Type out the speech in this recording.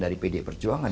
dari pdi perjuangan